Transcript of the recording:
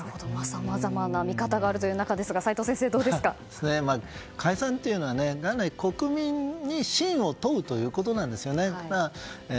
さまざまな見方がある中ですが齋藤先生、どうですか。解散っていうのは元来、国民に信を問うということなんですよね。